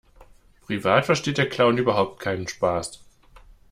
Privat versteht der Clown überhaupt keinen Spaß.